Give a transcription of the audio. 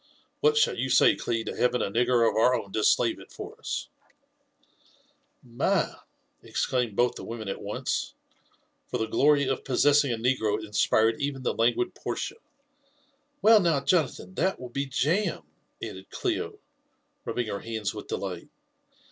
What shall you say, Cli, to having a nigger of our own to slave it for us ?" "My —!" exclaimed both the women at once ; for the glory of pos sessing a negro inspired even the languid Portia. '< Well, now, Jona than, that will be jam!" added Clio, rubbing her hands with delight.